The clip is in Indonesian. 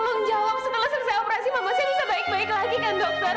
dokter tolong jawab setelah selesai operasi mama saya bisa baik bagi lagi kan dokter